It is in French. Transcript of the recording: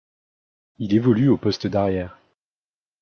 Il évolue au poste d'arrière.